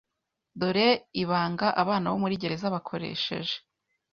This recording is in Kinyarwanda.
Dore Ibanga Abana Bo Muri Gereza Bakoresheje